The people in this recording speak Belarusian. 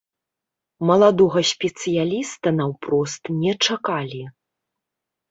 Маладога спецыяліста наўпрост не чакалі.